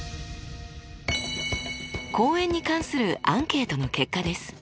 公園に関するアンケートの結果です。